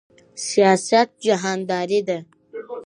سیاست جهانداری ده